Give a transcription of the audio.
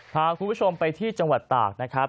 พาคุณผู้ชมไปที่จังหวัดตากนะครับ